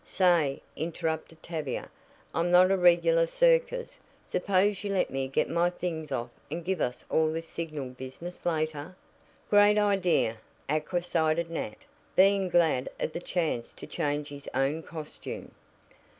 "Say," interrupted Tavia, "I'm not a regular circus. Suppose you let me get my things off and give us all this signal business later." "Great idea," acquiesced Nat, being glad of the chance to change his own costume.